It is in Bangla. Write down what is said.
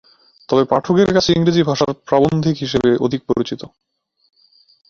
তবে পাঠকের কাছে ইংরেজি ভাষার প্রাবন্ধিক হিসেবে অধিক পরিচিত।